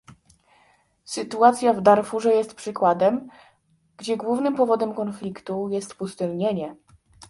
Sytuacja w Darfurze jest przykładem, gdzie głównym powodem konfliktu jest pustynnienie